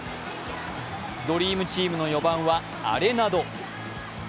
ドリームチームの４番はアレナド。